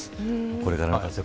これからのご活躍